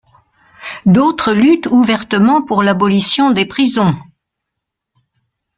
D'autres luttent ouvertement pour l'abolition des prisons.